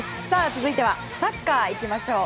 続いてはサッカーいきましょう。